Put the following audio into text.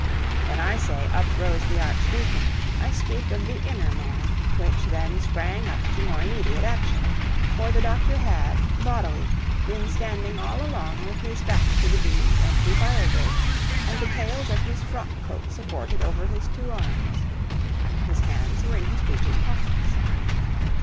When I say up rose the archdeacon, I speak of the inner man, which then sprang up to more immediate action, for the doctor had, bodily, been standing all along with his back to the dean's empty fire grate, and the tails of his frock coat supported over his two arms. His hands were in his breeches pockets.